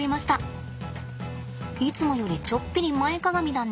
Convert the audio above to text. いつもよりちょっぴり前かがみだね。